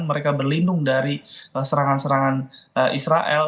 mereka berlindung dari serangan serangan israel